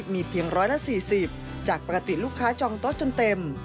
มีเพียง๑๔๐จากปกติลูกค้าจองโต๊ะจนเต็ม